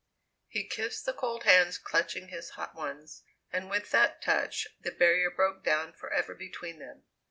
He kissed the cold hands clutching his hot ones, and with that touch the barrier broke down forever between them.